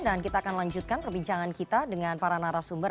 dan kita akan lanjutkan perbincangan kita dengan para narasumber